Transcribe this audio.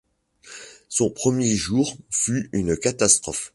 Son premier jour fut une catastrophe.